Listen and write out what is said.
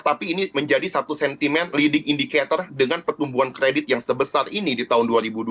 tapi ini menjadi satu sentimen leading indicator dengan pertumbuhan kredit yang sebesar ini di tahun dua ribu dua puluh